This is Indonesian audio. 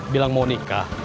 bilang mau nikah